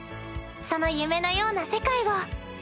その夢のような世界を。